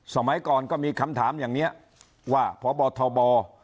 สมัยก่อนก็มีคำถามอย่างนี้ว่าพบทบ